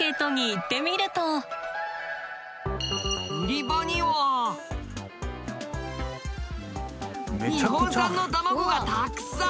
売り場には日本産の卵がたくさん！